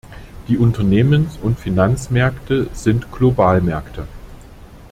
Die Unternehmens- und Finanzmärkte sind Globalmärkte.